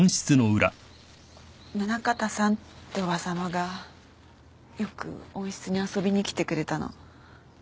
宗像さんっておばさまがよく温室に遊びに来てくれたの。